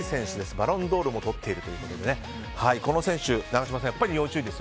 バロンドールもとっているということでこの選手、永島さん要注意です！